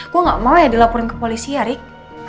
gue gak mau ya dilaporin ke polisi ya rik